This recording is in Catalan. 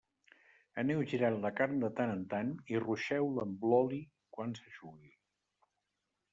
Aneu girant la carn de tant en tant i ruixeu-la amb l'oli quan s'eixugui.